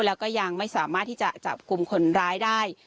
แล้วก็ยังไม่สามารถที่จะจับกลุ่มคนร้ายได้